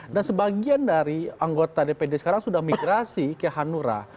dan sebagian dari anggota dpd sekarang sudah migrasi ke hanura